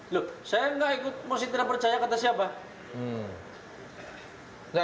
loh saya nggak ikut musik tidak percaya kata siapa